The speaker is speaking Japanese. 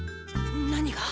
何が？